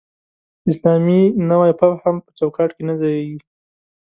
اسلامي نوی فهم په چوکاټ کې نه ځایېږي.